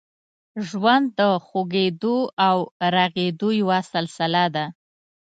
ژوند د خوږېدو او رغېدو یوه سلسله ده.